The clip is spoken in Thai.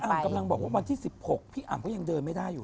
กำลังบอกว่าวันที่๑๖พี่อ่ำก็ยังเดินไม่ได้อยู่